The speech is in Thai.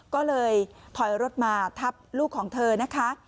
ก็เลยถอยรถมาทับลูกของเธอนะคะ